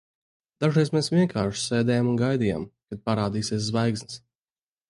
Dažreiz mēs vienkārši sēdējām un gaidījām, kad parādīsies zvaigznes.